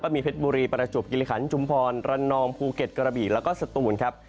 มีเพชรบุรีประจวบกิริขันจุมพรระนองภูเก็ตกระบี่แล้วก็สตูนครับ